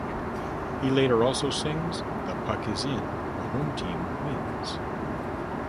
He later also sings "The puck is in, the home team wins!".